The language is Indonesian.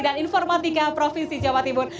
dan informatika provinsi jawa timur